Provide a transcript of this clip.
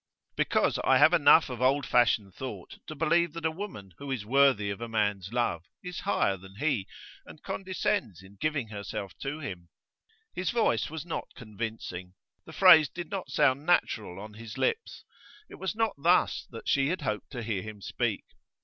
'Because I have enough of old fashioned thought to believe that a woman who is worthy of a man's love is higher than he, and condescends in giving herself to him.' His voice was not convincing; the phrase did not sound natural on his lips. It was not thus that she had hoped to hear him speak.